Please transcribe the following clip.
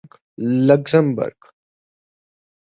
Luxembourg